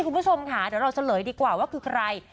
คุณผู้ชมค่ะเดี๋ยวเราเฉลยดีกว่าว่าคือใคร